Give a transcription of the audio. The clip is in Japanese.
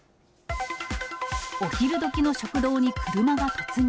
お昼どきの食堂に車が突入。